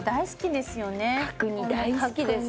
角煮大好きです。